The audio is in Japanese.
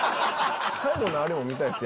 最後のあれも見たいです。